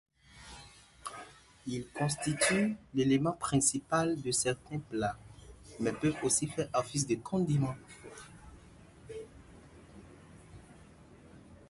Ils constituent l'élément principal de certains plats, mais peuvent aussi faire office de condiments.